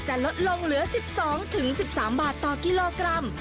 ลดลงเหลือ๑๒๑๓บาทต่อกิโลกรัม